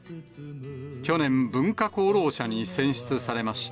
去年、文化功労者に選出されました。